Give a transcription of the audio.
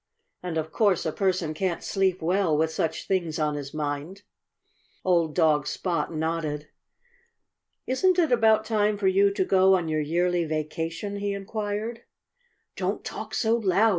And of course a person can't sleep well with such things on his mind." Old dog Spot nodded. "Isn't it about time for you to go on your yearly vacation?" he inquired. "Don't talk so loud!"